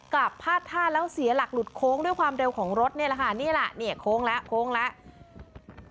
พาดท่าแล้วเสียหลักหลุดโค้งด้วยความเร็วของรถนี่แหละค่ะนี่แหละเนี่ยโค้งแล้วโค้งแล้ว